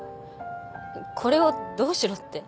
これをどうしろって？